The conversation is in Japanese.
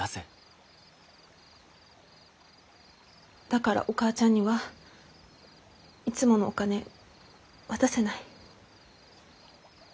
だからお母ちゃんにはいつものお金渡せない。